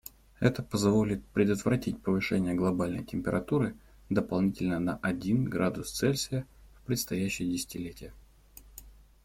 Это позволит предотвратить повышение глобальной температуры дополнительно на один градус Цельсия в предстоящие десятилетия.